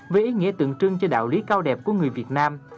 với ý nghĩa tượng trưng cho đạo lý cao đẹp của người việt nam